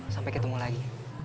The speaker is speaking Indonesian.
sampai ketemu lagi